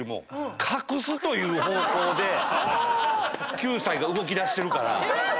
という方向で９歳が動きだしてるから。